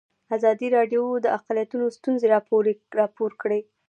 ازادي راډیو د اقلیتونه ستونزې راپور کړي.